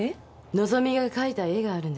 和希が描いた絵があるんです。